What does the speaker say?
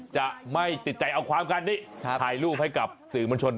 จะไม่ติดใจเอาความกันนี้ถ่ายรูปให้กับสื่อมวลชน